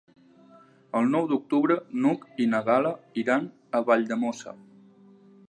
El nou d'octubre n'Hug i na Gal·la iran a Valldemossa.